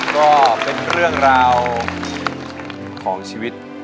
ก็เป็นเรื่องราวของชีวิต